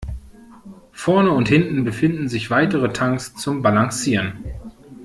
Vorne und hinten befinden sich weitere Tanks zum Balancieren.